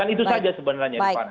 kan itu saja sebenarnya di depan